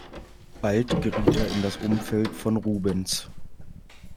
Bald geriet er in das Umfeld von Rubens.